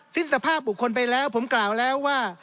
สภาพบุคคลไปแล้วผมกล่าวแล้วว่า